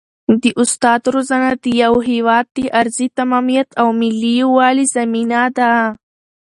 د استاد روزنه د یو هېواد د ارضي تمامیت او ملي یووالي ضامنه ده.